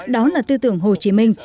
đó là tư tưởng hồ chí minh